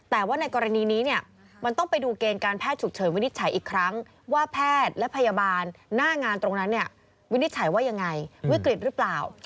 แต่ว่าในกรณีนี้เนี่ยมันต้องไปดูเกณฑ์การแพทย์ฉุกเฉินวินิจฉัยอีกครั้งว่าแพทย์และพยาบาลหน้างานตรงนั้นเนี่ยวินิจฉัยว่ายังไงวิกฤตหรือเปล่า